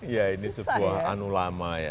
ya ini sebuah anulama ya